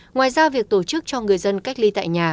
ngoài ra việc tổ chức cho người dân cách ly tại nhà